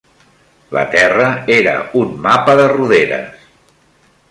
La terra era un mapa de roderes